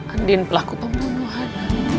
andin pelaku pembunuhan